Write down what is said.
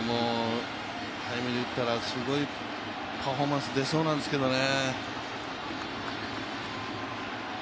タイムリー打ったら、すごいパフォーマンス出そうなんですけどね。